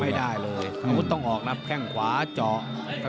อาวุธต้องออกนะแค่ขวาเจาะ